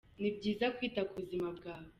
Nibyiza kwita kubuzima bwawe.